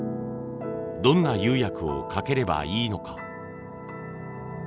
どんな釉薬をかければいいのか。